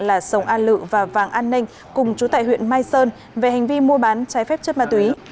là sông an lự và vàng an ninh cùng chú tại huyện mai sơn về hành vi mua bán trái phép chất ma túy